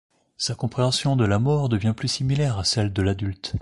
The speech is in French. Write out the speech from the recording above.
Sa compréhension de la mort devient plus similaire à celle de l'adulte.